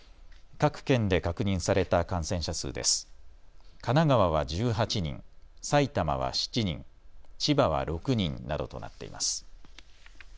各県で確認された感染者数です。